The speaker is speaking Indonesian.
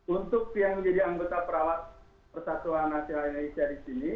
untuk yang menjadi anggota perawat persatuan nasional indonesia di sini